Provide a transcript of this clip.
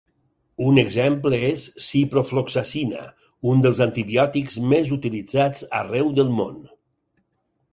Un exemple és ciprofloxacina, un dels antibiòtics més utilitzats arreu del món.